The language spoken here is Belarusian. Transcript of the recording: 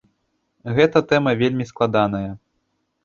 Гэта тэма вельмі складаная.